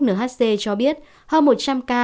nhc cho biết hơn một trăm linh ca